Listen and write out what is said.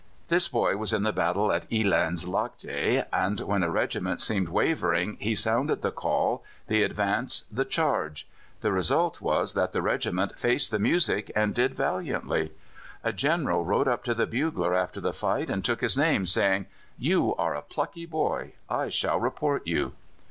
This boy was in the battle at Elands Laagte, and when a regiment seemed wavering he sounded the call, the advance, the charge. The result was that that regiment faced the music, and did valiantly. A General rode up to the bugler after the fight, and took his name, saying: "You are a plucky boy. I shall report you!"